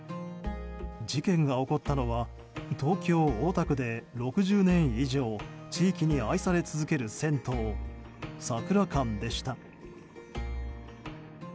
事件が起こったのは東京・大田区で６０年以上地域に愛され続ける銭湯、桜館でした。